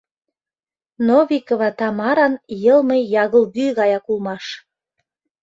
Новикова Тамаран йылме ягылгӱ гаяк улмаш.